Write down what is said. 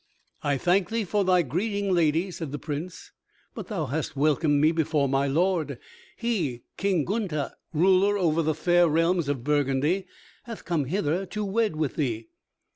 "I thank thee for thy greeting, lady," said the Prince, "but thou hast welcomed me before my lord. He, King Gunther, ruler over the fair realms of Burgundy, hath come hither to wed with thee."